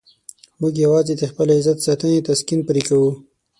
موږ یوازې د خپل عزت ساتنې تسکین پرې کوو.